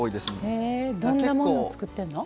へえどんなものを作ってんの？